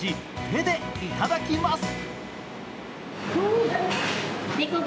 手でいただきます。